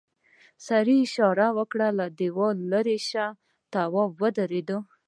سړي اشاره وکړه له دیوال ليرې شه تواب ودرېد.